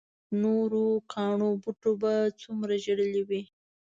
نورو کاڼو بوټو به څومره ژړلي وي.